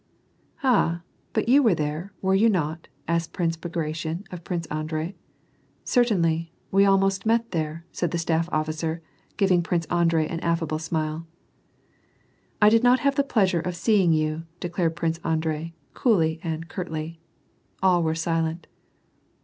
" Ah, but you were there, were you not ?" asked Prince Bagration, of Prince Andrei. "Certainly, we almost met there," said the staff officer, giv ing Prince Andrei an affable smile. "I did not have the pleasure of seeing you," declared Prince Andrei, coolly and curtly. All were silent.